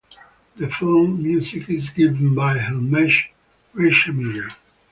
The film’s music is given by Himesh Reshammiya.